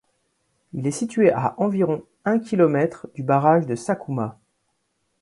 Il est situé à environ un kilomètre du barrage de Sakuma.